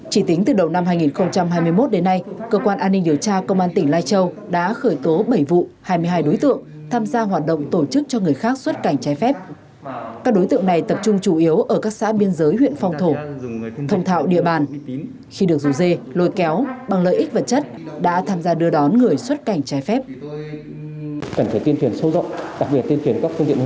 chỉ tính từ đầu năm hai nghìn hai mươi một đến nay cơ quan an ninh điều tra công an tỉnh lai châu đã khởi tố bảy vụ